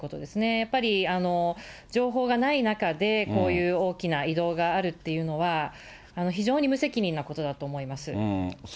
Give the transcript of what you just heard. やっぱり情報がない中で、こういう大きな移動があるっていうのは、非常に無責任なことだと思います。